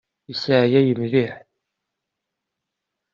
Iseɛyay mliḥ.